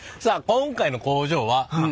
今回の工場は何？